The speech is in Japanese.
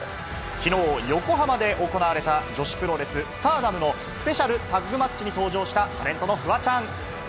昨日、横浜で行われた女子プロレス「スターダム」のスペシャルタッグマッチに登場したタレントのフワちゃん。